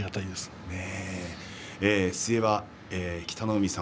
それは北の湖さん